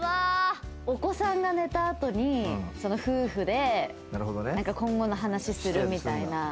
お子さんが寝た後にその夫婦で今後の話するみたいな。